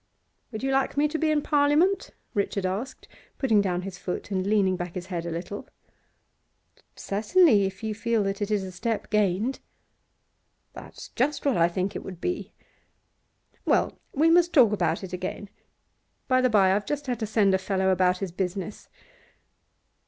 'Would you like me to be in Parliament?' Richard asked, putting down his foot and leaning back his head a little. 'Certainly, if you feel that it is a step gained.' 'That's just what I think it would be. Well, we must talk about it again. By the by, I've just had to send a fellow about his business.